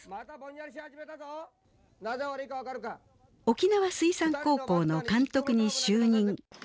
沖縄水産高校の監督に就任。